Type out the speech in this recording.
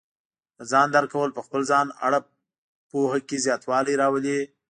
د ځان درک کول په خپل ځان اړه پوهه کې زیاتوالی راولي.